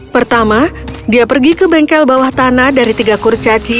pertama dia pergi ke bengkel bawah tanah dari tiga kurcaci